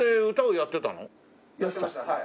やってましたはい。